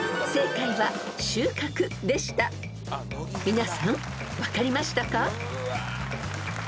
［皆さん分かりましたか？］